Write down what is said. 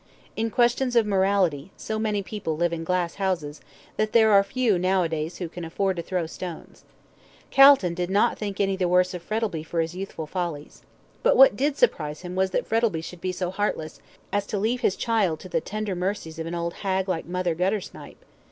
In questions of morality, so many people live in glass houses, that there are few nowadays who can afford to throw stones. Calton did not think any the worse of Frettlby for his youthful follies. But what did surprise him was that Frettlby should be so heartless, as to leave his child to the tender mercies of an old hag like Mother Guttersnipe.